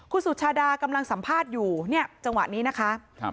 คุณสุชาดากำลังสัมภาษณ์อยู่เนี่ยจังหวะนี้นะคะ